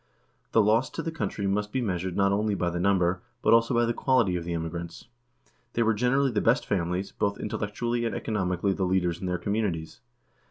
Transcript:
The loss to the country must be measured not only by the number, but also by the quality of the emigrants. They were generally the best families, both intellectually and economi cally the leaders in their communities.